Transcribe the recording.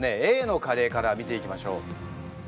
Ａのカレーから見ていきましょう。